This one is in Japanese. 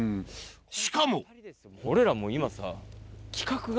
しかも俺らも今さ。